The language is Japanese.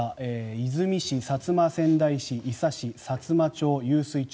出水市、薩摩川内市伊佐市、さつま町湧水町